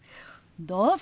どうぞ！